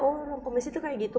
oh orang komisi itu kayak gitu